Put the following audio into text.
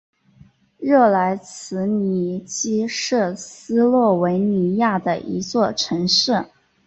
热莱兹尼基是斯洛文尼亚的一座城市。